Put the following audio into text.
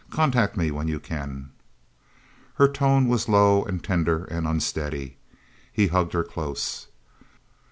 Contact me when you can..." Her tone was low and tender and unsteady. He hugged her close.